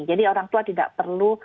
orang tua tidak perlu